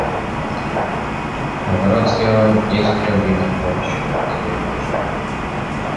У ворот стояло несколько винных бочек и две пушки.